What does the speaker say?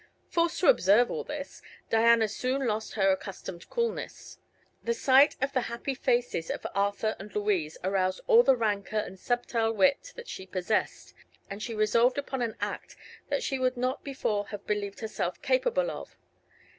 Forced to observe all this, Diana soon lost her accustomed coolness. The sight of the happy faces of Arthur and Louise aroused all the rancor and subtile wit that she possessed, and she resolved upon an act that she would not before have believed herself capable of.